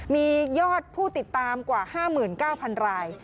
มียอดผู้ติดตามกว่า๕๙๐๐ราย